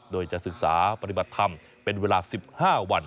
โดยจะศึกษาปฏิบัติธรรมเป็นเวลา๑๕วัน